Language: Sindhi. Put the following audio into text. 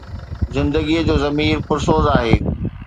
زندگيءَ جو ضمير پرسوز آهي